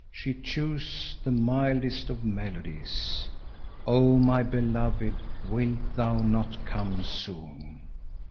She chose the mildest of melodies: "Oh, my beloved, wilt Thou not come soon?"